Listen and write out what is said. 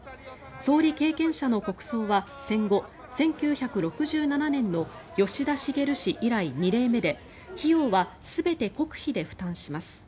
総理経験者の国葬は戦後、１９６７年の吉田茂氏以来２例目で費用は全て国費で負担します。